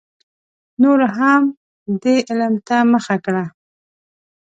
نورو هم دې علم ته مخه کړه.